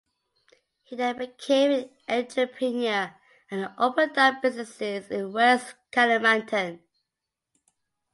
He then became an entrepreneur and opened up businesses in West Kalimantan.